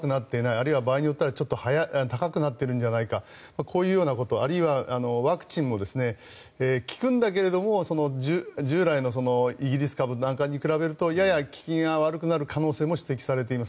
あるいは場合によってはちょっと高くなっているんじゃないかこういうようなことあるいはワクチンも効くんだけれども従来のイギリス株なんかに比べるとやや効きが悪くなる可能性も指摘されています。